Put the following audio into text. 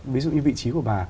ví dụ như vị trí của bà